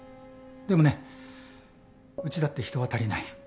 でもねうちだって人は足りない。